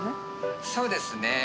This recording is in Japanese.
そうですね。